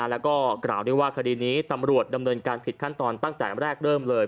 แล้วก็กล่าวด้วยว่าคดีนี้ตำรวจดำเนินการผิดขั้นตอนตั้งแต่แรกเริ่มเลย